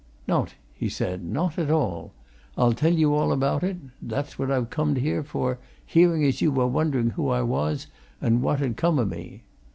"Nowt," he said. "Nowt at all! I'll tell you all about it that's what I've comed here for, hearing as you were wondering who I was and what had come o' me.